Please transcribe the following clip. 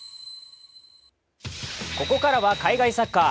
ここからは海外サッカー。